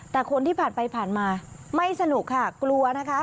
แต่คนที่ผ่านไปผ่านมาไม่สนุกค่ะกลัวนะคะ